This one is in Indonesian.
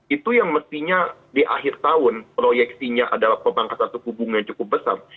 itu yang mestinya di akhir tahun proyeksinya adalah pemangkasan suku bunga yang cukup besar